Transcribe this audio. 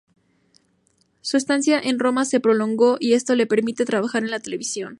Su estancia en Roma se prolongó y esto le permite trabajar en la televisión.